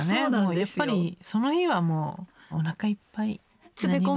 やっぱりその日はもうおなかいっぱい何も。